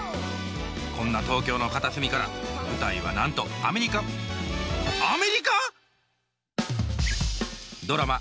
こんな東京の片隅から舞台はなんとアメリカドラマ